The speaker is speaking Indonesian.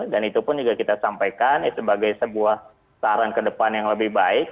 dan itu pun juga kita sampaikan sebagai sebuah saran ke depan yang lebih baik